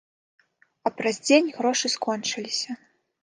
А праз дзень грошы скончыліся.